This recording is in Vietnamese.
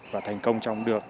và thành công trong được